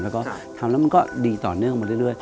แล้วก็ทำแล้วมันก็ดีต่อเนื่องมาเรื่อย